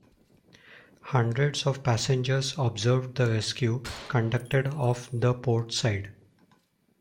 Hundreds of passengers observed the rescue, conducted off the port side.